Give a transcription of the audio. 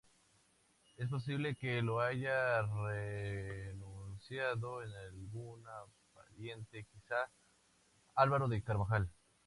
Es posible que lo haya renunciado en algún pariente, quizá Álvaro de Carvajal.